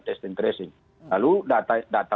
testing tracing lalu data